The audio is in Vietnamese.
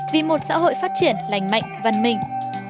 vì một xã hội phát triển lành mạnh văn minh